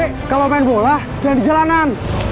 oke kalau main bola jangan di jalanan